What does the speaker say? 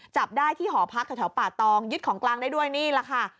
จับได้ที่หอพักแถวป่าตองยึดของกลางได้ด้วยนี่แหละค่ะ